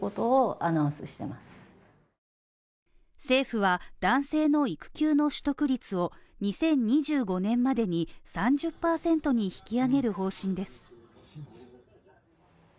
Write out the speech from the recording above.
政府は男性の育休の取得率を２０２５年までに３０％に引き上げる方針です。